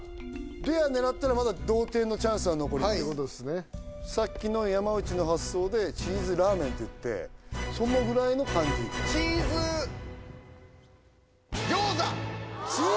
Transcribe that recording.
レア狙ったらまだ同点のチャンスは残るっていうことですねさっきの山内の発想でチーズラーメンって言ってそのぐらいの感じチーズ餃子！